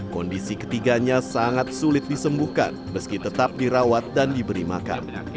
kondisi ketiganya sangat sulit disembuhkan meski tetap dirawat dan diberi makan